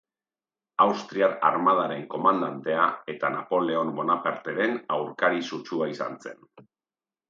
Austriar armadaren komandantea eta Napoleon Bonaparteren aurkari sutsua izan zen.